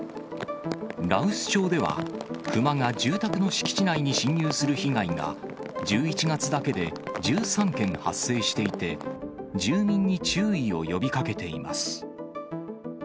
羅臼町では、クマが住宅の敷地内に侵入する被害が、１１月だけで１３件発生していて、住民に注意を呼びかけています。